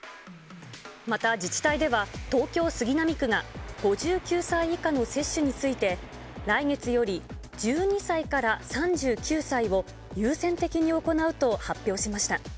また自治体では、東京・杉並区が５９歳以下の接種について、来月より１２歳から３９歳を優先的に行うと発表しました。